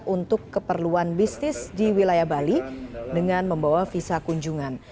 untuk keperluan bisnis di wilayah bali dengan membawa visa kunjungan